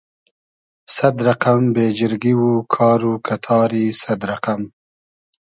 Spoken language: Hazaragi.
سئد رئقئم بېجیرگی و کار و کئتاری سئد رئقئم